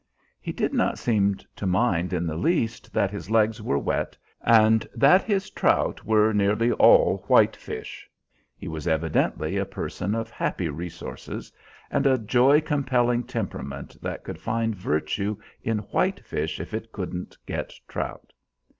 He did not seem to mind in the least that his legs were wet and that his trout were nearly all white fish. He was evidently a person of happy resources, and a joy compelling temperament that could find virtue in white fish if it couldn't get trout.